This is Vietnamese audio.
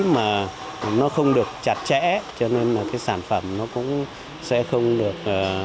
mà nó không được chặt chẽ cho nên là cái sản phẩm nó cũng sẽ không được